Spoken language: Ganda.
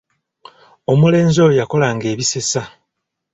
Omulenzi oyo yakolanga ebisesa!